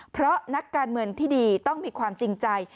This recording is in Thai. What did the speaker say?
เพราะนักการเมืองที่ดีต้องมีความจริงใจ